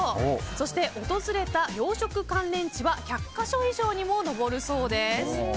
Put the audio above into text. そして、訪れた養殖関連地は１００か所以上にも上るそうです。